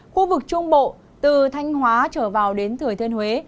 khu vực trung bộ từ thanh hóa trở vào đến thừa thiên huế